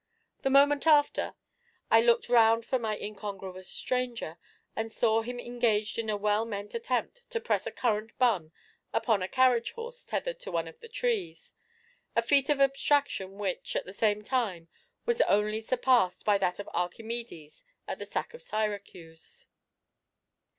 The moment after, I looked round for my incongruous stranger, and saw him engaged in a well meant attempt to press a currant bun upon a carriage horse tethered to one of the trees a feat of abstraction which, at such a time, was only surpassed by that of Archimedes at the sack of Syracuse.